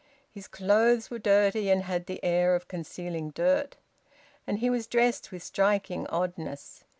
His clothes were dirty and had the air of concealing dirt. And he was dressed with striking oddness.